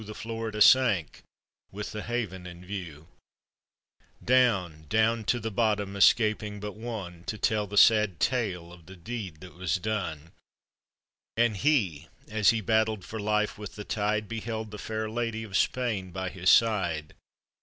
The Florida sank, with the haven in view— I>own, down to the bottom, escaping but one. To tell the sad tale of the deed that was done. And he, as he battled for life with the tide. Beheld the fair lady of Spain by his side.